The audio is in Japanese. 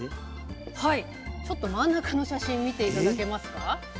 ちょっと真ん中の写真見て頂けますか。